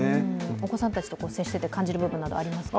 お子さんたちと接していて感じることありますか？